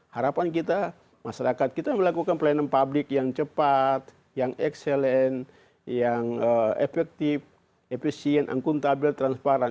harapan kita masyarakat kita melakukan pelayanan publik yang cepat yang excellent yang efektif efisien akuntabel transparan